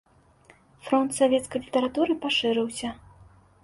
Фронт савецкай літаратуры пашырыўся.